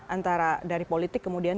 antara dari politik kemudian